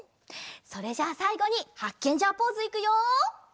それじゃあさいごにハッケンジャーポーズいくよ！